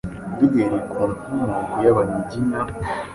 Duhereye ku Nkomoko y'Abanyiginya,